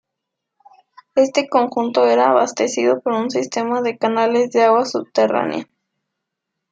Este conjunto era abastecido por un sistema de canales de agua subterránea.